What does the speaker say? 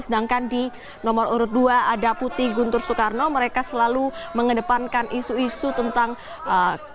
sedangkan di nomor dua ada putih guntur soekarno mereka selalu mengedepankan isu isu tentang kestaraan wanita terutama di provinsi jawa timur